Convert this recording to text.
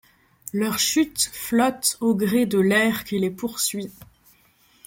Leur chute flotte au gré de l’air qui les poursuit ;